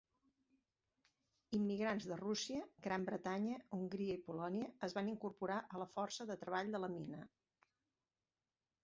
Immigrants de Rússia, Gran Bretanya, Hongria i Polònia es van incorporar a la força de treball de la mina.